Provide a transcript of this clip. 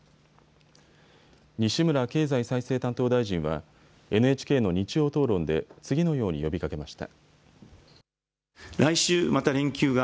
西村経済再生担当大臣はＮＨＫの日曜討論で次のように呼びかけました。